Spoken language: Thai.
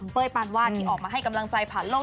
ปานวาดที่ออกมาให้กำลังใจผ่านโลก